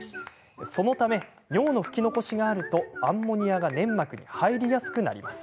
そのため尿の拭き残しがあるとアンモニアが粘膜に入りやすくなります。